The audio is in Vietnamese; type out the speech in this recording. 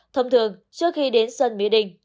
thầm thường trước khi đến sân mỹ đình